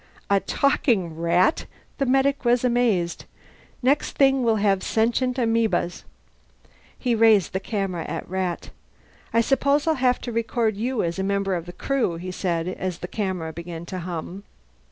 "A talking rat!" The medic was amazed. "Next thing we'll have sentient amebas!" He aimed the camera at Rat. "I suppose I'll have to record you as a member of the crew," he said, as the camera began to hum.